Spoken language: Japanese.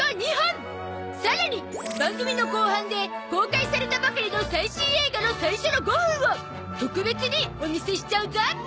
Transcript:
さらに番組の後半で公開されたばかりの最新映画の最初の５分を特別にお見せしちゃうゾ！